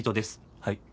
はい。